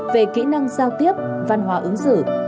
về kỹ năng giao tiếp văn hóa ứng xử